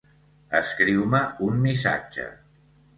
Escriu-me un missatge.